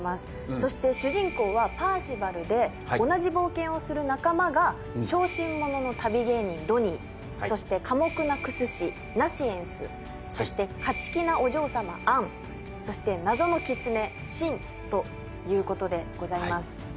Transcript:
そして主人公はパーシバルで同じ冒険をする仲間が小心者の旅芸人ドニーそして寡黙な薬師ナシエンスそして勝ち気なお嬢様アンそして謎のキツネシンということでございます